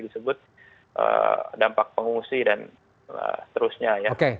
itu adalah dampak pengungsi dan seterusnya